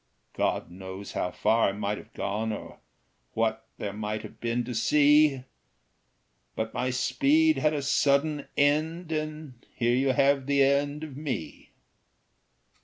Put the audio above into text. "God knows how far I might have gone Or what there might have been to see; But my speed had a sudden end, And here you have the end of me."